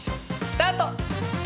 スタート。